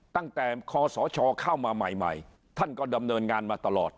ตั้งแต่ขอสอชอเข้ามาใหม่ท่านก็ดำเนินงานมาตลอด